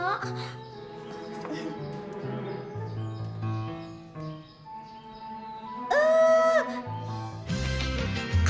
eh bangun dulu